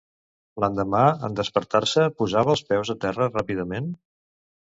L'endemà en despertar-se, posava els peus a terra ràpidament?